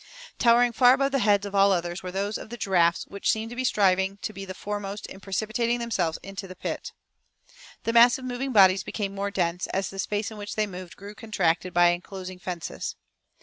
Towering far above the heads of all others were those of the giraffes, which seemed striving to be the foremost in precipitating themselves into the pit. The mass of moving bodies became more dense, as the space in which they moved grew contracted by the enclosing fences.